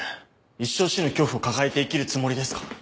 一生死の恐怖を抱えて生きるつもりですか？